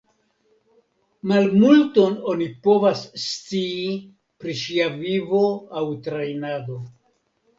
Malmulton oni povas scii pri ŝia vivo aŭ trejnado.